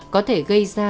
có thể gây ra